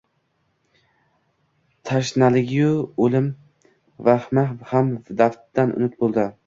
tashnalig-u o‘lim vahmi ham dafatan unut bo‘ldi.